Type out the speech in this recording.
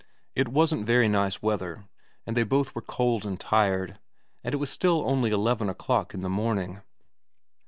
It wasn't very nice weather, and they both were cold and tired, and it was still only eleven o'clock in the morning.